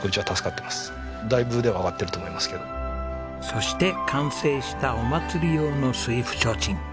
そして完成したお祭り用の水府提灯。